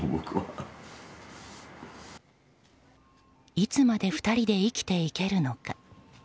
いつまで２人で生きていけるのか。